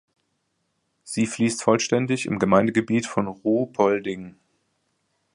Sie fließt vollständig im Gemeindegebiet von Ruhpolding.